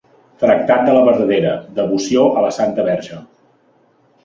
Tractat de la Verdadera Devoció a la Santa Verge.